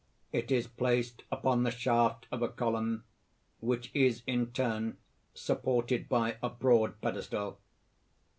It is placed upon the shaft of a column, which is in turn supported by a broad pedestal.